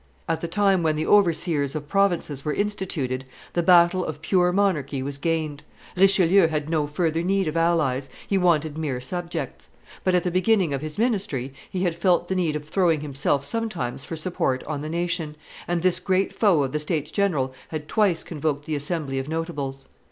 At the time when the overseers of provinces were instituted, the battle of pure monarchy was gained; Richelieu had no further need of allies, he wanted mere subjects; but at the beginning of his ministry he had felt the need of throwing himself sometimes for support on the nation, and this great foe of the states general had twice convoked the Assembly of Notables.